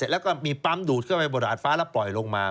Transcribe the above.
และเขาดูดในมัวดหาฟ้าอยู่ปล่อยลงมา